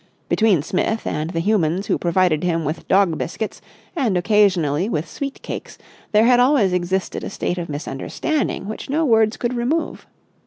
Between Smith and the humans who provided him with dog biscuits and occasionally with sweet cakes there had always existed a state of misunderstanding which no words could remove.